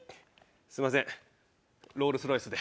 すみません。ロールス・ロイスで。